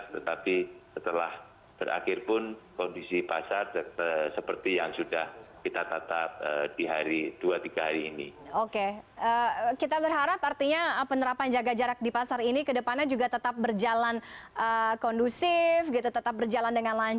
tetapi setelah berakhir pun kita bisa beraktivitas dengan standar yang sudah kita lakukan dengan jarak tertentu juga